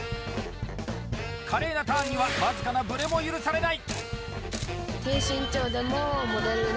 華麗なターンには僅かなぶれも許されない。